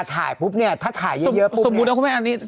ใช่อีกตัวนึงแหละ